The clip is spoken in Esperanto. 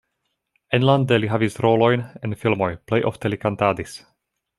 Enlande li havis rolojn en filmoj, plej ofte li kantadis.